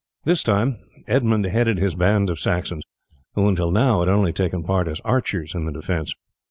This time Edmund headed his band of Saxons, who until now had only taken part as archers in the defence.